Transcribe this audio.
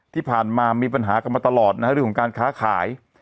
ที่ผ่านมามีปัญหากันมาตลอดนะฮะเรื่องของการค้าขาย